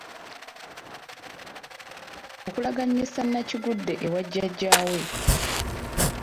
Okulagaanyisa Nnakigudde ewa Jjajjaawe.